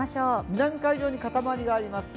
南海上にかたまりがあります。